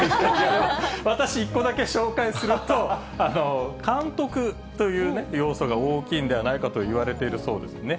私１個だけ紹介すると、監督という要素が大きいんではないかといわれているそうですね。